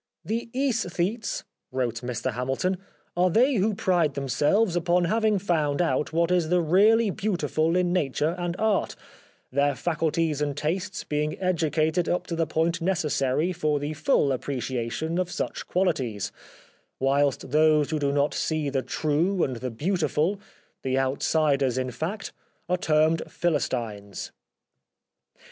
"The iEsthetes/' wrote Mr Hamilton, "are they who pride themselves upon having found out what is the really beautiful in nature and art, their faculties and tastes being educated up to the point necessary for the full appreciation of such qualities ; whilst those who do not see the true and the beautiful — the outsiders in fact — are termed Philistines."